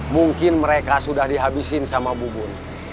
mungkin mereka sudah dihabisin sama bubun